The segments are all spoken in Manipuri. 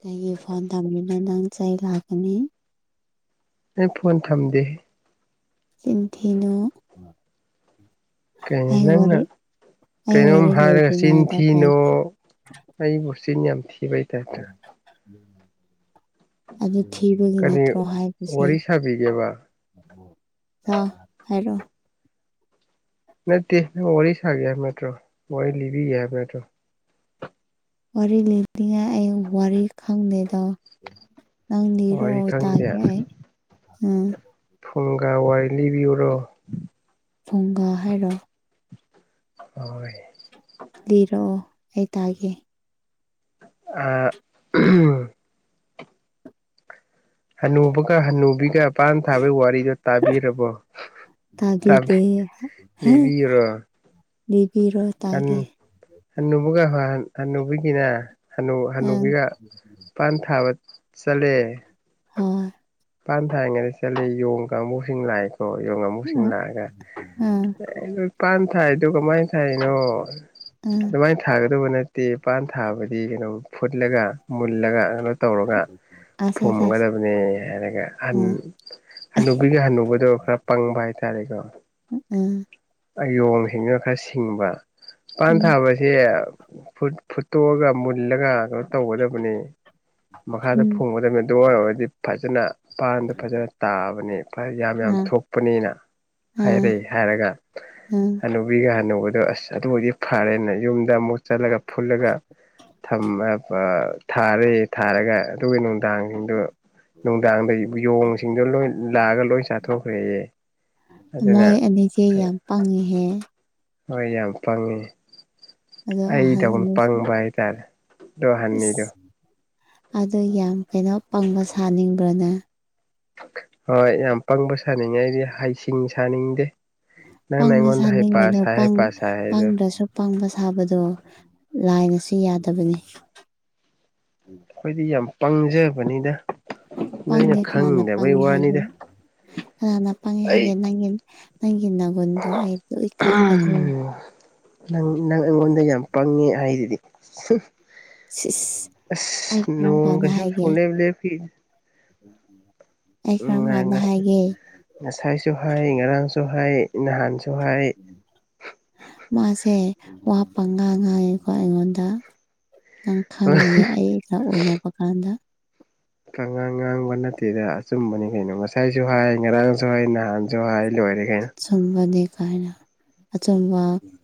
ꯀꯩꯒꯤ ꯐꯣꯟ ꯊꯝꯒꯤꯅꯣ ꯅꯪ ꯆꯩ ꯂꯥꯛꯀꯅꯤ ꯑꯩ ꯐꯣꯟ ꯊꯝꯗꯦꯍꯦ ꯆꯤꯟ ꯊꯤꯅꯨ ꯀꯩꯅꯣ ꯑꯩ ꯅꯪꯅ ꯋꯥꯔꯤ ꯑꯩ ꯀꯩꯅꯣꯝ ꯋꯥꯔꯤ ꯍꯥꯏꯔꯒ ꯆꯤꯟ ꯂꯣꯏꯗ꯭ꯔꯤꯉꯩꯗ ꯀꯩ ꯊꯤꯅꯨ ꯑꯩꯕꯨ ꯆꯤꯟ ꯌꯥꯝ ꯊꯤꯕꯩ ꯇꯥꯏꯞꯇ [unintelligible] ꯑꯗꯨ ꯊꯤꯕꯒꯤ ꯀꯔꯤ ꯅꯠꯇ꯭ꯔꯣ ꯍꯥꯏꯕꯁꯦ ꯋꯥꯔꯤ ꯁꯥꯕꯤꯒꯦꯕ ꯍꯥ ꯍꯥꯏꯔꯣ ꯅꯠꯇꯦ ꯅꯪꯕꯣ ꯋꯥꯔꯤ ꯁꯥꯒꯦ ꯍꯥꯏꯕ ꯅꯠꯇ꯭ꯔꯣ ꯋꯥꯔꯤ ꯂꯤꯕꯤꯒꯦ ꯍꯥꯏꯕ ꯅꯠꯇꯔꯣ ꯋꯥꯔꯤ ꯂꯤꯅꯤꯡꯉꯥꯏ ꯑꯩ ꯋꯥꯔꯤ ꯈꯪꯗꯦꯗ ꯅꯪ ꯂꯤꯔꯣ ꯋꯥꯔꯤ ꯈꯪꯗꯦ ꯇꯥꯒꯦ ꯑꯩ ꯎꯝ ꯐꯨꯡꯒꯥ ꯋꯥꯔꯤ ꯂꯤꯕꯤꯌꯨꯔꯣ ꯐꯨꯡꯒꯥ ꯍꯥꯏꯔꯣ ꯍꯣꯏ ꯂꯤꯔꯛꯑꯣ ꯑꯩ ꯇꯥꯒꯦ ꯑꯥ ꯎꯝ ꯍꯅꯨꯕꯒ ꯍꯅꯨꯕꯤꯒ ꯄꯥꯟ ꯊꯥꯕꯒꯤ ꯋꯥꯔꯤꯗꯣ ꯇꯥꯕꯤꯔꯕꯣ ꯇꯥꯕꯤ ꯇꯥꯕꯤꯗꯦ ꯍꯥ ꯂꯤꯕꯤꯌꯨꯔꯣ ꯂꯤꯕꯤꯔꯣ ꯍꯟ ꯇꯥꯒꯦ ꯍꯟꯅꯨꯕꯒ ꯍꯣꯏ ꯍꯟꯅꯨꯕꯤꯒꯤꯔ ꯍꯟꯅꯨ ꯎꯝ ꯍꯟꯅꯨꯕꯤꯒ ꯄꯥꯟ ꯊꯥꯕ ꯆꯠꯂꯦ ꯍꯣꯏ ꯄꯥꯟ ꯊꯥꯔꯤꯉꯩꯗ ꯆꯠꯂꯦ ꯌꯣꯡ ꯀꯥꯡꯕꯨꯁꯤꯡ ꯂꯥꯛꯑꯦ ꯑꯣ ꯌꯣꯡ ꯑꯃꯨꯛꯁꯤꯡ ꯎꯝ ꯂꯥꯛꯑꯒ ꯎꯝ ꯑꯦ ꯅꯣꯏ ꯄꯥꯟ ꯊꯥꯏꯗꯣ ꯀꯃꯥꯏꯅ ꯊꯥꯏꯔꯤꯅꯣ ꯎꯝ ꯑꯗꯨꯃꯥꯏꯅ ꯊꯥꯒꯗꯧꯕ ꯅꯠꯇꯦ ꯄꯥꯟ ꯊꯥꯕꯗꯤ ꯀꯩꯅꯣ ꯐꯨꯠꯂꯒ ꯃꯨꯜꯂꯒ ꯀꯩꯅꯣ ꯇꯧꯔꯒ ꯑꯁ ꯑꯁ ꯑꯁ ꯐꯨꯝꯒꯗꯕꯅꯤ ꯍꯥꯏꯔꯒ ꯑꯍꯟ ꯎꯝ ꯍꯅꯨꯕꯤꯒ ꯍꯅꯨꯕꯗꯣ ꯈꯔ ꯄꯪꯕ ꯍꯥꯏꯇꯥꯔꯦꯀꯣ ꯎ ꯎꯝ ꯑꯌꯣꯡꯁꯤꯡꯗꯨꯅ ꯈꯔ ꯁꯤꯡꯕ ꯄꯥꯟ ꯎꯝ ꯊꯥꯕꯍꯥꯏ ꯁꯦ ꯐꯨ ꯐꯨꯠꯇꯣꯛꯑꯒ ꯃꯨꯜꯂꯒ ꯀꯩꯅꯣ ꯇꯧꯒꯗꯕꯅꯤ ꯃꯈꯥꯗ ꯎꯝ ꯐꯨꯝꯒꯗꯕꯅꯤ ꯑꯗꯨꯉꯣꯏ ꯑꯣꯏꯔꯗꯤ ꯐꯖꯅ ꯄꯥꯟꯗꯣ ꯐꯖꯅ ꯇꯥꯕꯅꯤ ꯐ ꯌꯥꯝ ꯌꯥꯝ ꯑꯥ ꯊꯣꯛꯄꯅꯤꯅ ꯑꯥ ꯍꯥꯏꯔꯦ ꯍꯥꯏꯔꯒ ꯑꯥ ꯍꯅꯨꯕꯤꯒ ꯍꯅꯨꯕꯗꯣ ꯑꯁ ꯑꯗꯨ ꯑꯣꯏꯗꯤ ꯐꯔꯦꯅ ꯌꯨꯝ ꯗ ꯑꯃꯨꯛ ꯆꯠꯂꯒ ꯐꯨꯜꯂꯒ ꯊꯝ ꯑ ꯑ ꯊꯥꯔꯦ ꯊꯥꯔꯒ ꯑꯗꯨꯒꯤ ꯅꯨꯡꯗꯥꯡꯁꯤꯡꯗꯨ ꯅꯨꯡꯗꯥꯡꯗꯒꯤ ꯌꯣꯡ ꯁꯤꯡꯗꯣ ꯂꯣꯏ ꯂꯥꯛꯑꯒ ꯂꯣꯏ ꯆꯥꯊꯣꯛꯈ꯭ꯔꯦꯌꯦ ꯑꯗꯨꯅ ꯃꯣꯏ ꯑꯅꯤꯁꯦ ꯌꯥꯝ ꯄꯪꯉꯤꯍꯦ ꯍꯣꯏ ꯌꯥꯝ ꯄꯪꯉꯦ ꯑꯗꯣ ꯑꯍꯟ ꯑꯅꯤꯁꯨ ꯍꯥꯏꯇꯥꯔꯦ ꯑꯗꯣ ꯏꯁ ꯍꯟꯅꯤꯗꯣ ꯑꯗꯣ ꯌꯥꯝ ꯀꯩꯅꯣ ꯄꯪꯕ ꯁꯥꯅꯤꯡꯕ꯭ꯔꯅꯥ ꯍꯣꯏ ꯌꯥꯝ ꯄꯪꯕ ꯁꯥꯅꯤꯡꯉꯦ ꯑꯩꯗꯤ ꯍꯩꯁꯤꯡ ꯁꯥꯅꯤꯡꯗꯦ ꯅꯪꯅ ꯄꯪꯕ ꯑꯩꯉꯣꯟꯗ ꯍꯩꯄꯥ ꯁꯥꯅꯤꯡꯉꯅꯣ ꯁꯥꯏ ꯄꯪ ꯍꯩꯄꯥ ꯁꯥꯏ ꯍꯥꯏꯗꯣ ꯄꯪꯗ꯭ꯔꯁꯨ ꯄꯪꯕ ꯁꯥꯕꯗꯣ ꯂꯥꯏꯅꯁꯨ ꯌꯥꯗꯕꯅꯤ ꯈꯣꯏꯗꯤ ꯌꯥꯝ ꯄꯪꯖꯕꯅꯤꯅ ꯄꯪꯗꯦ ꯀꯅꯥꯅ ꯄꯪꯉꯦ ꯍꯥꯏꯒꯦ ꯋꯥꯅꯤꯗ ꯀꯅꯥꯅ ꯄꯥꯡꯉꯦ ꯑꯩ ꯍꯥꯏꯒꯦ ꯅꯪꯒꯤ ꯅꯪꯒꯤ ꯅ ꯒꯨꯟꯗꯣ ꯑꯩ ꯂꯣꯏ ꯈꯪꯕꯗꯣ ꯅꯪ ꯅꯪ ꯑꯩꯉꯣꯟꯗ ꯌꯥꯝ ꯄꯪꯉꯦ ꯍꯥꯏꯗꯨꯗꯤ ꯁꯤꯁ ꯑꯩ ꯑꯁ ꯀꯔꯝ ꯅꯣꯡ ꯀꯥꯟꯗ ꯒꯁꯨ ꯍꯥꯏꯒꯦ ꯁꯨꯡꯂꯦꯞ ꯂꯦꯞꯈꯤ ꯑꯩ ꯀꯔꯝꯀꯥꯟꯗ ꯍꯥꯏꯒꯦ ꯉꯁꯥꯏꯁꯨ ꯍꯥꯏ ꯉꯔꯥꯡꯁꯨ ꯍꯥꯏ ꯅꯍꯥꯟꯁꯨ ꯍꯥꯏ ꯃꯥꯁꯦ ꯋꯥ ꯄꯉꯥꯡ ꯉꯥꯡꯉꯤꯀꯣ ꯑꯩꯉꯣꯟꯗ ꯅꯪ ꯈꯪꯒꯅꯤ ꯑꯩꯒ ꯎꯅꯕ ꯀꯥꯟꯗ ꯈꯪꯉꯥꯡ ꯉꯥꯡꯕ ꯅꯠꯇꯦꯗ ꯑꯆꯨꯝꯕꯅꯤ ꯀꯩꯅꯣ ꯉꯁꯥꯏꯁꯨ ꯍꯥꯏ ꯉꯔꯥꯡꯁꯨ ꯍꯥꯏ ꯅꯍꯥꯟꯁꯨ ꯍꯥꯏ ꯂꯣꯏꯔꯦ ꯀꯩꯅꯣ ꯆꯨꯝꯕꯅꯦ ꯀꯥꯏꯅ ꯑꯆꯨꯝꯕ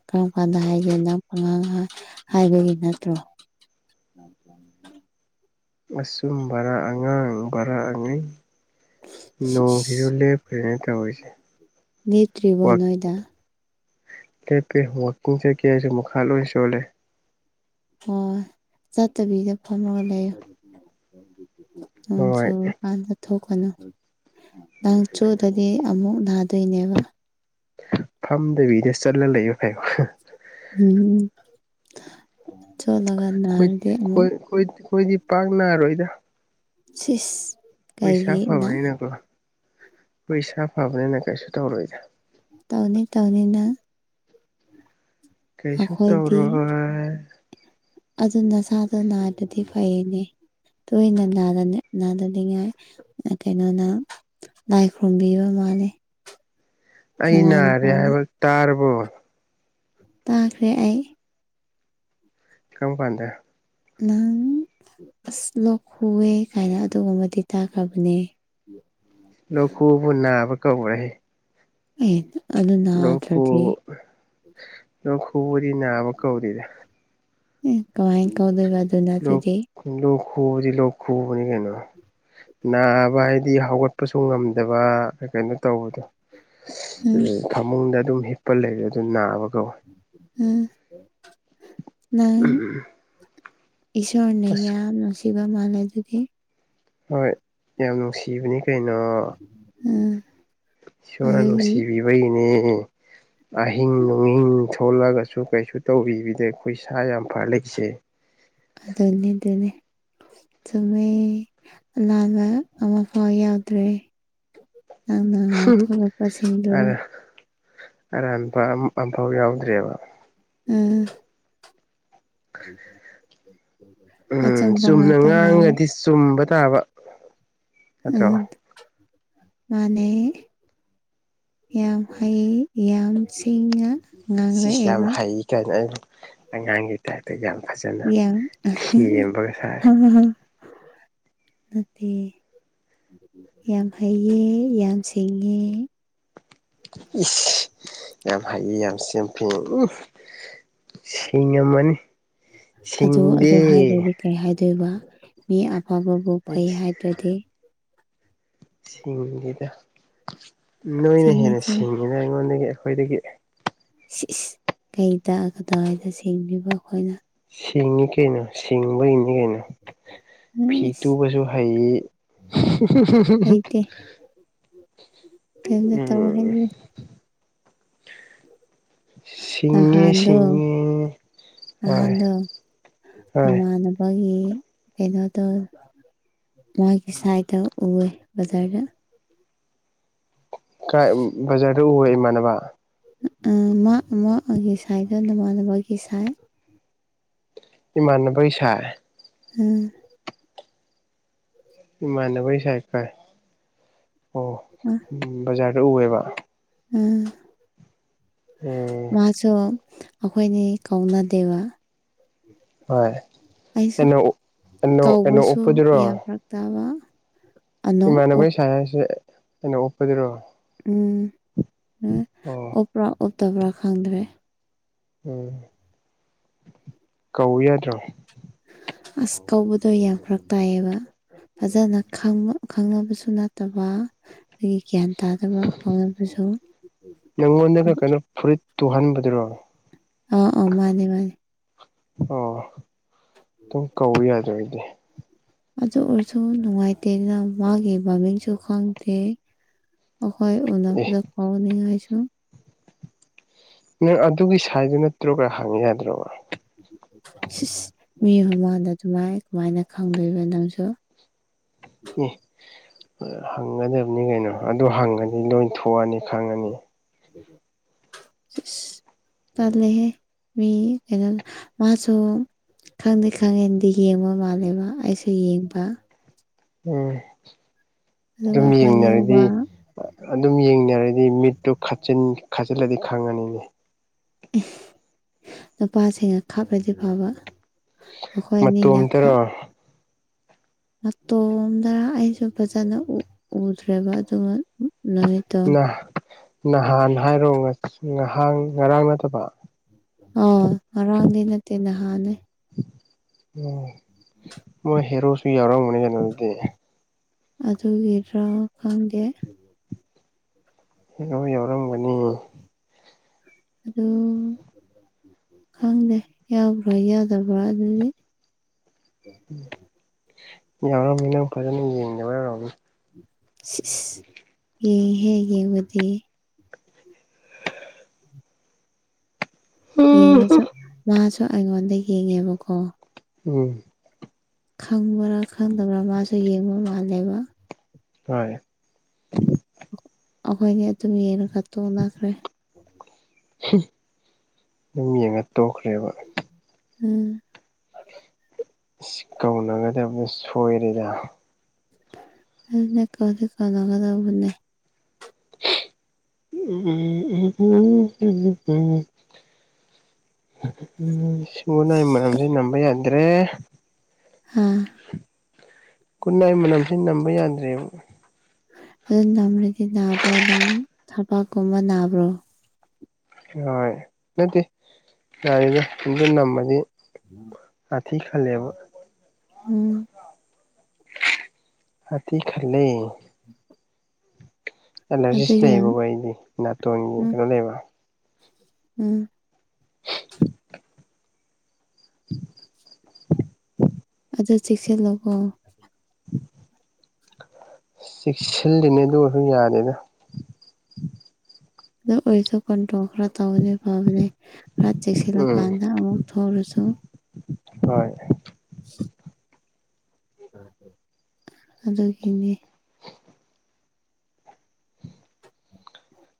ꯀꯔꯝꯀꯥꯟꯗ ꯍꯥꯏꯒꯦ ꯅꯪ ꯄꯉꯥꯡ ꯉꯥꯡ ꯍꯥꯏꯕꯒꯤ ꯅꯠꯇ꯭ꯔꯣ ꯑꯆꯨꯝꯕꯔꯥ ꯑꯉꯥꯡꯕꯔꯥ ꯑꯉꯩ ꯅꯣ ꯖꯤꯁꯨ ꯂꯦꯞꯈ꯭ꯔꯦꯅꯦ ꯇꯧꯔꯤꯁꯤ ꯅꯦꯠꯇ꯭ꯔꯤꯕꯣ ꯅꯣꯏꯗ ꯀꯦꯀꯦ ꯋꯥꯛꯀꯤꯡ ꯆꯠꯀꯦꯁꯨ ꯃꯈꯥ ꯂꯣꯏ ꯆꯣꯠꯂꯦ ꯑꯣ ꯆꯠꯇꯕꯤꯗ ꯐꯝꯃꯒ ꯂꯩꯌꯣ ꯅꯣꯡ ꯍꯣꯏ ꯆꯨꯔꯀꯥꯟꯗ ꯊꯣꯛꯀꯅꯨ ꯅꯪ ꯆꯣꯠꯂꯗꯤ ꯑꯃꯨꯛ ꯅꯥꯗꯣꯏꯅꯦꯕ ꯐꯝꯗꯕꯤꯗ ꯆꯠꯂ ꯂꯩꯌꯨ ꯀꯩꯅꯣ ꯎꯝ ꯆꯣꯠꯂꯒ ꯈꯣꯏ ꯅꯥꯔꯗꯤ ꯑꯃꯨꯛ ꯈꯣꯏ ꯈꯣꯏ ꯈꯣꯏꯗꯤ ꯄꯥꯛ ꯅꯥꯔꯣꯏꯗꯥ ꯁꯤꯁ ꯈꯣꯏ ꯏꯁꯥ ꯀꯩꯒꯤ ꯅ ꯐꯕꯅꯤꯅꯀꯣ ꯈꯣꯏ ꯏꯁꯥ ꯐꯕꯅꯤꯅ ꯀꯩꯁꯨ ꯇꯧꯔꯣꯏꯗꯥ ꯇꯧꯅꯤ ꯇꯧꯅꯤ ꯅꯪ ꯀꯩꯁꯨ ꯑꯩꯈꯣꯏꯗꯤ ꯇꯧꯔꯣꯏ ꯑꯗꯨ ꯅꯁꯥꯗꯣ ꯅꯥꯗ꯭ꯔꯗꯤ ꯐꯩꯅꯦ ꯇꯣꯏꯅ ꯅꯥꯗ ꯅꯥꯗꯅꯤꯡꯉꯥꯏ ꯑ ꯀꯩꯅꯣꯅ ꯂꯥꯏ ꯈꯨꯔꯨꯝꯕꯤꯕ ꯃꯥꯜꯂꯦ ꯑꯩ ꯅꯃꯥ ꯅꯥꯔꯦ ꯅꯄꯥꯅ ꯍꯥꯏꯕ ꯇꯥꯔꯕꯣ ꯇꯥꯈ꯭ꯔꯦ ꯑꯩ ꯀꯝꯀꯥꯟꯗ ꯅꯪ ꯑꯁ ꯂꯣꯋꯦ ꯀꯥꯏꯅ ꯑꯗꯨꯒꯨꯝꯕꯗꯤ ꯇꯥꯈ꯭ꯔꯕꯅꯦ ꯂꯣꯛ ꯈꯨꯕꯕꯨ ꯅꯥꯕ ꯀꯧꯕ꯭ꯔꯥꯍꯦ ꯑꯦ ꯑꯗꯨ ꯂꯣꯛ ꯈꯨ ꯅꯥꯗ꯭ꯔꯗꯤ ꯂꯣꯛ ꯈꯨꯕꯥꯗꯤ ꯅꯥꯕ ꯀꯧꯗꯦꯗ ꯀꯃꯥꯏ ꯀꯧꯗꯣꯏꯕ ꯑꯗꯨ ꯂꯣꯛ ꯅꯠꯇ꯭ꯔꯥꯗꯤ ꯂꯣꯛ ꯈꯨꯕꯗꯤ ꯂꯣꯛ ꯈꯨꯕꯅꯤ ꯀꯩꯅꯣ ꯅꯥꯕ ꯍꯥꯏꯗꯤ ꯍꯧꯒꯠꯄꯁꯨ ꯉꯝꯗꯕ ꯀꯩꯅꯣ ꯇꯧꯕꯗꯣ ꯎꯝ ꯐꯃꯨꯡꯗ ꯑꯗꯨꯝ ꯍꯤꯞꯄ ꯂꯩꯔꯥ ꯑꯗꯨ ꯅꯥꯕꯥ ꯀꯧꯋꯦ ꯎꯝ ꯎꯝ ꯎꯝ ꯏꯁꯣꯔꯅꯥ ꯌꯥꯝ ꯅꯨꯡꯁꯤꯕ ꯃꯥꯜꯂꯦ ꯑꯗꯨꯗꯤ ꯍꯣꯏ ꯌꯥꯝ ꯅꯨꯡꯁꯤꯕꯅꯤ ꯀꯩꯅꯣ ꯎꯝ ꯏꯁꯣꯔꯅꯥ ꯑꯗꯨꯒꯤ ꯅꯨꯡꯁꯤꯕꯤꯕꯩꯅꯦ ꯑꯍꯤꯡ ꯅꯨꯡꯍꯤꯡ ꯊꯣꯛꯣꯂꯛꯒꯁꯨ ꯀꯩꯁꯨ ꯇꯧꯕꯕꯤꯗꯦ ꯑꯩꯈꯣꯏ ꯏꯁꯥ ꯌꯥꯝ ꯐꯥꯔꯥ ꯂꯩꯁꯦ ꯑꯗꯨꯅꯤ ꯗꯨꯅꯦ ꯆꯨꯝꯃꯦ ꯑꯅꯥꯕ ꯑꯃꯐꯥꯎ ꯌꯥꯎꯗ꯭ꯔꯦ ꯅꯪꯅꯥ ꯉꯥꯡꯊꯣꯛꯂꯛꯄ ꯁꯤꯡꯗꯨ ꯑꯔꯥꯟꯕ ꯑꯃꯝꯐꯥꯎ ꯌꯥꯎꯗ꯭ꯔꯦꯕ ꯎꯝ ꯎꯝ ꯎꯝ ꯆꯨꯝꯅ ꯉꯥꯏꯔꯦ ꯉꯥꯡꯉꯗꯤ ꯆꯨꯝꯕ ꯇꯥꯕ ꯅꯠꯇ꯭ꯔꯣ ꯎꯝ ꯃꯥꯥꯟꯅꯩ ꯌꯥꯝ ꯍꯩ ꯌꯥꯝ ꯁꯤꯡꯅ ꯁꯤꯁ ꯌꯥꯝ ꯉꯥꯡꯔꯛꯑꯦꯕ ꯍꯩ ꯀꯥꯏꯅ ꯑꯉꯥꯡꯒꯤ ꯍꯥꯏꯐꯦꯠ ꯌꯥꯝ ꯐꯖꯅ ꯌꯥꯝ ꯊꯦꯝꯕꯒ ꯁꯥꯔꯦ ꯍꯥ ꯍꯥ ꯍꯥ ꯅꯠꯇꯦ ꯌꯥꯝ ꯍꯩꯌꯦ ꯌꯥꯝ ꯁꯤꯡꯉꯦ ꯌꯥꯝ ꯍꯥꯏꯌꯦ ꯌꯥꯝ ꯁꯤꯝꯄꯤꯡ ꯎꯝ ꯁꯤꯡꯉꯃꯃꯥꯅꯤ ꯑꯗꯨ ꯑꯗꯨ ꯁꯤꯡꯗꯦ ꯍꯥꯏꯗ꯭ꯔꯗꯤ ꯀꯩ ꯍꯥꯏꯗꯣꯏꯕ ꯃꯤ ꯑꯐꯕꯕꯨ ꯐꯩ ꯑꯩꯁ ꯍꯥꯏꯗ꯭ꯔꯥꯗꯤ ꯁꯤꯡꯉꯤꯗꯥ ꯅꯣꯏꯅ ꯁꯤꯡꯉꯦ ꯍꯦꯟꯅ ꯁꯤꯡꯉꯦ ꯁꯤꯡꯉꯤꯅ ꯑꯩꯉꯣꯟꯗꯒꯤ ꯑꯩꯈꯣꯏꯗꯒꯤ ꯁꯤꯁ ꯀꯩ ꯇꯥꯛ ꯀꯗꯥꯋꯥꯏꯗ ꯁꯦꯡꯕꯤꯕ ꯑꯩꯈꯣꯏꯅ ꯁꯤꯡꯉꯤ ꯀꯩꯅꯣ ꯁꯤꯡꯕꯒꯤꯅꯤ ꯀꯩꯅꯣ ꯐꯤ ꯑꯁ ꯇꯨꯕꯁꯨ ꯍꯩ ꯍꯩꯇꯦ ꯀꯩꯝꯇ ꯇꯧ ꯎꯝ ꯍꯩꯇꯦ ꯁꯤꯡꯉꯦ ꯅꯍꯥꯟꯗꯣ ꯁꯤꯡꯉꯦ ꯍꯣꯏ ꯅꯍꯥꯟꯗꯣ ꯍꯣꯏ ꯅꯃꯥꯟꯅꯕꯥ ꯃꯥꯒꯤ ꯀꯩꯅꯣꯗꯣ ꯃꯥꯒꯤ ꯁꯥꯏꯠꯇ ꯎꯑꯦ ꯕꯖꯥꯔꯗ [inaudible] ꯀꯥꯏ ꯕꯖꯥꯔꯗ ꯎꯋꯦ ꯏꯃꯥꯟꯅꯕ ꯃꯥ ꯃꯥ ꯁꯥꯏꯠꯇ ꯅꯃꯥꯟꯅꯕꯒꯤ ꯁꯥꯏꯠ ꯏꯃꯥꯟꯅꯕꯩ ꯁꯥꯏ ꯎꯝ ꯏꯃꯥꯟꯅꯕꯒꯤ ꯁꯥꯏꯠ ꯀꯥꯏ ꯑꯣ ꯕꯖꯥꯔꯗ ꯎꯑꯦꯕ ꯎꯝ ꯎꯝ ꯃꯥꯁꯨ ꯑꯩꯈꯣꯏꯅꯤ ꯀꯧꯅꯗꯦꯕ ꯍꯣꯏ ꯑꯩꯁꯨ ꯑꯦꯅꯣꯛ ꯑꯦꯅꯣꯛ ꯎꯞꯄꯥꯗꯨꯔꯣ ꯇꯋꯥ ꯏꯃꯥꯟꯅꯕꯩ ꯁꯥꯏ ꯍꯥꯏꯁꯦ ꯑꯩꯅꯣꯛ ꯎꯞꯄꯗꯨꯔꯣ ꯎꯝ ꯎꯝ ꯑꯣ ꯑꯣꯞꯄ꯭ꯔꯥ ꯑꯣꯞꯇꯕ꯭ꯔꯥ ꯈꯪꯗ꯭ꯔꯦ ꯎꯝ ꯀꯧ ꯌꯥꯗ꯭ꯔꯣ ꯑꯁ ꯀꯧꯕꯗꯣ ꯌꯥꯝ ꯐꯔꯛ ꯇꯥꯏꯌꯦꯕ ꯐꯖꯅ ꯈꯪꯅ ꯈꯪꯅꯕꯁꯨ ꯅꯠꯇꯕ ꯑꯗꯨꯒꯤ ꯒ꯭ꯌꯥꯟ ꯇꯥꯗꯕ ꯀꯥꯎꯅꯕꯁꯨ ꯅꯪꯉꯣꯟꯗꯒ ꯀꯩꯅꯣ ꯐꯨꯔꯤꯠ ꯇꯨꯍꯟꯕꯗꯨꯔꯣ ꯑꯥ ꯑꯣ ꯃꯥꯅꯦ ꯃꯥꯅꯦ ꯑꯣ ꯑꯗꯨꯝ ꯀꯧ ꯌꯥꯏꯗ ꯑꯩꯗꯤ ꯑꯗꯨ ꯑꯣꯏꯔꯁꯨ ꯅꯨꯡꯉꯥꯏꯇꯦꯗ ꯃꯥꯒꯤ ꯃꯃꯤꯡꯁꯨ ꯈꯪꯗꯦ ꯑꯈꯣꯏ ꯑꯦ ꯎꯅꯕꯗ ꯀꯧꯅꯤꯡꯉꯥꯏꯁꯨ ꯅꯪ ꯑꯗꯨꯒꯤ ꯁꯥꯏꯇꯨ ꯅꯠꯇ꯭ꯔꯣꯒ ꯍꯪ ꯌꯥꯗ꯭ꯔꯣꯕ ꯁꯤꯁ ꯃꯤ ꯃꯃꯥꯡꯗ ꯑꯗꯨꯃꯥꯏ ꯀꯃꯥꯏꯅ ꯈꯪꯗꯣꯏꯕ ꯅꯪꯁꯨ ꯢ ꯑꯥ ꯍꯪꯒꯗꯕꯅꯤ ꯀꯩꯅꯣ ꯑꯗꯨ ꯍꯪꯉꯅꯤ ꯅꯣꯢ ꯊꯣꯛꯑꯅꯤ ꯈꯪꯉꯅꯤ [unintelligible] ꯇꯜꯂꯦꯍꯦ ꯃꯤ ꯀꯩꯅꯣ ꯃꯥꯁꯨ ꯈꯪꯗꯤ ꯈꯪꯉꯟꯗꯦ ꯌꯦꯡꯕ ꯃꯥꯜꯂꯦꯕ ꯑꯩꯁꯨ ꯌꯦꯡꯕ ꯎꯝ ꯑꯗꯨꯒ ꯑꯗꯨꯝ ꯑꯩꯈꯣꯏꯅꯤ ꯌꯦꯡꯅꯔꯗꯤ ꯋꯥ ꯑꯗꯨꯝ ꯌꯦꯡꯅꯔꯗꯤ ꯃꯤꯠꯇꯨ ꯈꯠꯆꯤꯟ ꯈꯆꯤꯜꯂꯗꯤ ꯈꯪꯉꯅꯤꯅꯦ ꯅꯨꯄꯥꯁꯤꯡꯅ ꯈꯞꯔꯗꯤ ꯐꯕ ꯑꯩꯈꯣꯏ ꯑꯅꯤꯅ ꯈꯞ ꯃꯇꯣꯝꯇꯔꯣ ꯃꯇꯣꯝꯗ ꯑꯩꯁꯨ ꯐꯖꯅ ꯎ ꯎꯗ꯭ꯔꯦꯕ ꯑꯗꯨ ꯅꯨꯃꯤꯠ ꯅ ꯅꯍꯥꯟ ꯍꯥꯏꯔꯣ ꯉꯍꯥꯡ ꯉꯔꯥꯡ ꯅꯠꯇꯕ ꯑꯣ ꯉꯔꯥꯡꯗꯤ ꯅꯠꯇꯦ ꯅꯍꯥꯟꯅꯦ ꯎꯝ ꯃꯣꯏ ꯍꯦꯔꯣꯁꯨ ꯌꯥꯎꯔꯝꯒꯅꯤ ꯀꯩꯅꯣ ꯑꯗꯨꯗꯤ ꯑꯗꯨꯒꯤꯔꯥ ꯈꯪꯗꯦ ꯌꯥꯎꯔꯝꯒꯅꯤꯑꯦ ꯑꯗꯨ ꯈꯪꯗꯦ ꯌꯥꯎꯕ꯭ꯔꯥ ꯌꯥꯎꯗꯕ꯭ꯔꯥ ꯑꯗꯨꯗꯤ ꯌꯥꯎꯔꯝꯅꯤ ꯅꯪ ꯐꯖꯅ ꯌꯦꯗꯕꯩ ꯑꯣꯢꯔꯝꯅꯤ ꯁꯤꯁ ꯌꯦꯡꯏꯍꯦ ꯌꯦꯡꯕꯗꯤ ꯌꯦꯡꯉꯁꯨ ꯃꯥꯁꯨ ꯑꯩꯉꯣꯟꯗ ꯌꯦꯡꯉꯦꯕꯀꯣ ꯎꯝ ꯈꯪꯕꯔꯥ ꯈꯪꯗꯕ꯭ꯔꯥ ꯃꯥꯁꯨ ꯌꯦꯡꯕ ꯃꯥꯜꯂꯦꯕ ꯍꯣꯏ ꯑꯈꯣꯏꯅꯦ ꯑꯗꯨꯝ ꯌꯦꯡꯉꯒ ꯇꯣꯛꯅꯈ꯭ꯔꯦ ꯍꯝ ꯑꯗꯨꯝ ꯌꯦꯡꯉ ꯇꯣꯛꯈ꯭ꯔꯦꯕ ꯎꯝ [unintelligible] ꯀꯧꯅꯒꯗꯤ ꯑꯃꯨꯛ ꯁꯣꯏꯔꯦꯗ ꯑꯗꯨꯅ ꯀꯧꯗꯤ ꯀꯧꯅꯒꯗꯕꯅꯦ [unintelligible] [unintelligible] ꯃꯅꯝꯁꯦ ꯅꯝꯕ ꯌꯥꯗ꯭ꯔꯦ ꯎꯝ ꯒꯨꯠꯅꯥꯥꯏ ꯃꯅꯝꯁꯤ ꯅꯝꯕ ꯌꯥꯗ꯭ꯔꯦꯕ ꯑꯗꯨ ꯅꯝꯔꯗꯤ ꯅꯥꯕ꯭ꯔꯣ ꯅꯪ ꯊꯕꯥꯛꯀꯨꯝꯕ ꯅꯥꯕ꯭ꯔꯣ ꯍꯣꯏ ꯅꯠꯇꯦ ꯌꯥꯔꯦꯗ ꯑꯗꯨꯅꯝꯃꯗꯤ [unintelligible] ꯍꯥꯛꯊꯤ ꯈꯜꯂꯦꯕ ꯎꯝ ꯍꯥꯛꯊꯤ ꯈꯜꯂꯦ [inaudible] ꯑꯗꯨ ꯑꯦꯂꯔꯖꯤꯁ ꯌꯥꯝ ꯂꯩꯌꯦꯕꯀꯣ ꯑꯩꯗꯤ ꯅꯥꯇꯣꯟꯒꯤ ꯎꯝ ꯀꯩꯅꯣ ꯂꯩꯕ ꯎꯝ [inaudible] ꯑꯗꯣ ꯆꯦꯛꯁꯤꯜꯂꯣꯀꯣ ꯆꯦꯛꯁꯤꯜꯂꯤꯅꯦ ꯑꯗꯨꯒ ꯗꯨꯝ ꯌꯥꯗꯦꯅ ꯑꯗꯨ ꯑꯣꯏꯁꯨ ꯀꯟꯇ꯭ꯔꯣꯜ ꯈꯔ ꯇꯧꯅꯤ ꯐꯕꯅꯦ ꯈꯔꯥ ꯆꯦꯛꯁꯤꯜꯂ ꯎꯝ ꯀꯥꯟꯗ ꯑꯃꯨꯛ ꯊꯔꯁꯨ ꯍꯣꯏ [inaudible] ꯑꯗꯨꯒꯤꯅꯦ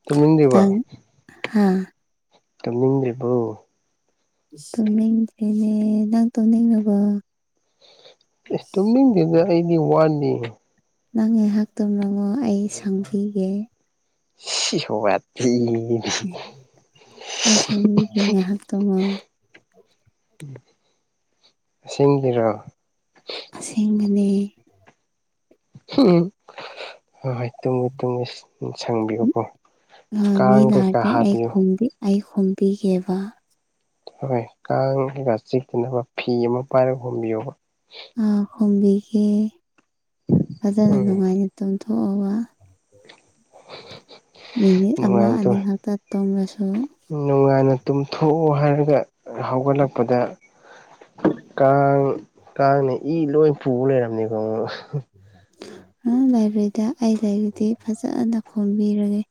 ꯇꯨꯝꯅꯤꯡꯗꯔ꯭ꯤꯕꯥ ꯅꯪ ꯍꯥ ꯇꯝꯅꯤꯡꯗ꯭ꯔꯤꯕꯣ ꯇꯨꯝꯅꯤꯡꯗꯔ꯭ꯤꯌꯦ ꯅꯪ ꯇꯨꯝꯅꯤꯡꯉꯥꯕꯣ ꯏꯁ ꯇꯨꯝꯅꯤꯡꯗꯤꯗ ꯑꯩꯗꯤ ꯋꯥꯠꯂꯤ ꯅꯪ ꯉꯥꯏꯍꯥꯛ ꯇꯨꯝꯔꯉꯣ ꯑꯩ ꯁꯪꯕꯤꯒꯦ ꯁꯤ ꯁꯤ ꯋ꯭ꯥꯊꯤꯗꯤ ꯑꯦ ꯑꯩ ꯁꯪꯕꯤꯒꯦ ꯉꯥꯏꯍꯥꯛ ꯇꯨꯝꯃꯣ ꯑꯁꯦꯡꯒꯤꯔꯣ ꯑꯁꯦꯡꯕꯅꯦ ꯎꯝ ꯍꯣꯏ ꯍꯣꯏ ꯇꯨꯝꯃꯦ ꯇꯨꯝꯃꯦ ꯁꯪꯕꯤꯌꯨꯀꯣ ꯃꯤ ꯀꯥꯡ ꯀꯩꯀꯥ ꯂꯛꯑꯗꯤ ꯑꯩ ꯍꯥꯞꯄꯤꯌꯨ ꯈꯨꯝꯕꯤ ꯑꯩ ꯈꯣꯝꯕꯤꯒꯦꯕ ꯍꯣꯏ ꯀꯥꯡꯒ ꯆꯤꯛꯇꯅꯕ ꯐꯤ ꯑꯃ ꯄꯥꯏꯔꯒ ꯍꯣꯝꯕꯤꯌꯣꯕ ꯑꯥ ꯍꯨꯝꯕꯤꯒꯦ ꯐꯖꯅ ꯎꯝ ꯅꯨꯡꯉꯥꯏꯅ ꯇꯨꯝꯊꯣꯛꯑꯒ ꯃꯤꯅꯤꯠ ꯑꯃ ꯅꯨꯡꯉꯥꯏꯇ ꯑꯅꯤ ꯈꯛꯇ ꯇꯨꯝꯔꯁꯨ ꯅꯨꯡꯉꯥꯏꯅ ꯇꯨꯝꯊꯣꯛꯎ ꯍꯥꯏꯔꯒ ꯍꯧꯒꯠꯂꯛꯄꯗ ꯀꯥꯡ ꯀꯥꯡꯅ ꯏ ꯂꯣꯏ ꯄꯨꯕ ꯂꯩꯔꯝꯅꯦꯀꯣ ꯎꯝ ꯂꯥꯏꯔꯣꯏꯗ ꯑꯩ ꯂꯩꯖꯤꯗꯤ ꯐꯖꯅ ꯍꯨꯝꯕꯤꯔꯒꯦ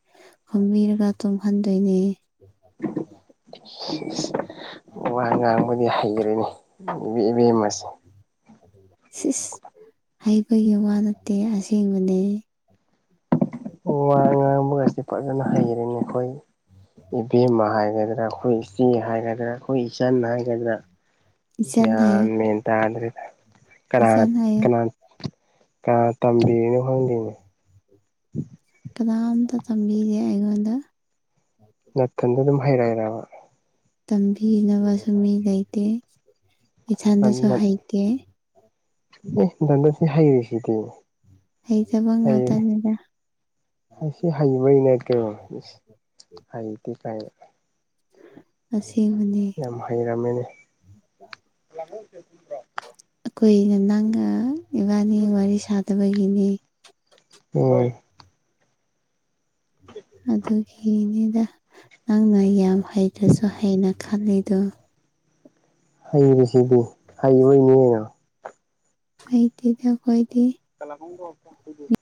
ꯍꯨꯝꯕꯤꯔꯒ ꯇꯨꯝꯍꯟꯗꯣꯏꯅꯦ ꯋꯥ ꯉꯥꯡꯕꯗꯤ ꯍꯩꯒꯔꯦꯅꯦ [unintelligible] ꯃꯁꯦ ꯁꯤꯁ ꯍꯩꯕꯒꯤ ꯋꯥ ꯅꯠꯇꯦ ꯑꯁꯦꯡꯕꯅꯦ ꯋꯥ ꯉꯥꯡꯕꯒꯁꯤ ꯐꯖꯅ ꯍꯩꯔꯦꯅꯦ ꯈꯣꯏ ꯏꯕꯦꯝꯃ ꯍꯥꯏꯒꯗ꯭ꯔꯥ ꯑꯩꯈꯣꯏ ꯏꯆꯦ ꯍꯥꯏꯒꯗ꯭ꯔꯥ ꯑꯩꯈꯣꯏ ꯏꯆꯟ ꯍꯥꯏꯒꯗ꯭ꯔꯥ ꯏꯆꯟ ꯒ꯭ꯌꯥꯟ ꯍꯥꯏꯌꯨ ꯃꯦꯟ ꯇꯥꯗꯔꯦꯗ ꯀꯅꯥꯅ ꯏꯆꯟ ꯍꯥꯏꯌꯨ ꯀꯅꯥ ꯀꯅꯥꯅ ꯇꯝꯕꯤꯔꯤꯅꯣ ꯈꯪꯗꯦꯅꯦ [inaudible] ꯀꯅꯥꯝꯇ ꯇꯝꯕꯤꯒꯦ ꯑꯩꯉꯣꯟꯗ ꯅꯥꯊꯟꯗ ꯑꯗꯨꯝ ꯍꯩꯔꯛꯑꯩꯔꯕ ꯇꯝꯕꯤꯅꯕꯁꯨ ꯃꯤ ꯂꯩꯇꯦ ꯏꯊꯟꯗꯁꯨ ꯍꯩꯇꯦ ꯑꯦ [unintelligible] ꯍꯩꯔꯤꯁꯤꯗꯤ ꯍꯩꯇꯕ ꯉꯥꯛꯇꯅꯤꯗ꯫ ꯑꯩ ꯁꯤ ꯍꯩꯕꯒꯤꯅꯦ ꯀꯩꯅꯣ ꯏꯁ ꯍꯩꯇꯦ ꯀꯥꯏꯅ꯫ ꯑꯁꯦꯡꯕꯅꯦ꯫ ꯎꯝ ꯍꯩꯔꯝꯃꯦꯅꯦ꯫ ꯑꯩꯈꯣꯏꯅ ꯅꯪꯒ ꯏꯕꯥꯅꯤ ꯋꯥꯔꯤ ꯁꯥꯗꯕꯒꯤꯅꯤ꯫ ꯍꯣꯏ꯫ ꯑꯗꯨꯒꯤꯅꯤꯗ ꯅꯪꯅ ꯌꯥꯝ ꯍꯩꯇ꯭ꯔꯁꯨ ꯍꯩꯅ ꯈꯜꯂꯤꯗꯣ꯫ ꯍꯩꯕꯁꯤꯗꯤ ꯍꯩꯕꯣꯏꯅꯦ ꯀꯩꯅꯣ꯫ ꯍꯩꯇꯦꯗ ꯑꯈꯣꯏꯗꯤ꯫ [unintelligible]